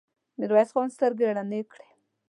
ميرويس خان سترګې رڼې کړې.